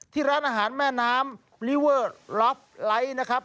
ร้านอาหารแม่น้ำลิเวอร์ล็อฟไลท์นะครับ